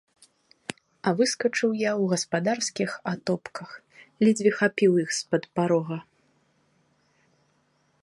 А выскачыў я ў гаспадарскіх атопках, ледзьве хапіў іх з-пад парога.